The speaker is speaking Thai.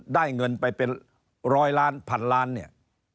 ได้เงินไปเป็นร้อยล้านพันล้านเนี่ย